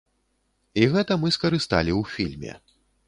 І гэта мы скарысталі ў фільме.